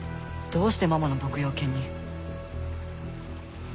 どうしてママの牧羊犬に？